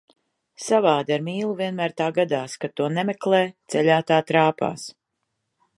Savādi, ar mīlu vienmēr tā gadās, kad to nemeklē, ceļā tā trāpās.